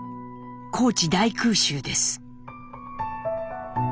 高知大空襲です。